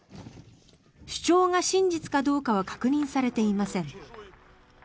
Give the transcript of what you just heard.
主張が真実かどうかは確認されていません。